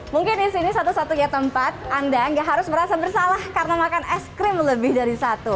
mungkin disini satu satunya tempat anda gak harus merasa bersalah karena makan ice cream lebih dari satu